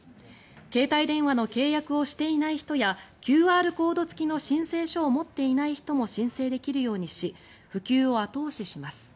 携帯電話の契約をしていない人やＱＲコード付きの申請書を持っていない人も申請できるようにし普及を後押しします。